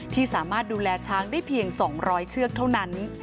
ที่สามารถดูแลช้างได้เพียง๒๐๐เชือกเท่านั้น